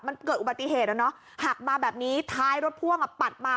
เกิดปฐานอุบัติเหตุหักมาแบบนี้ท้ายรถพ่วงปัดมา